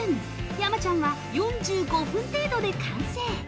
山ちゃんは、４５分程度で完成。